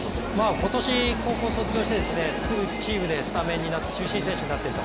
今年、高校を卒業してすぐチームでスタメンになって中心選手になっていると。